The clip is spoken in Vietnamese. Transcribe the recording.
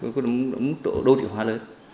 có đúng độ đô thị hóa lớn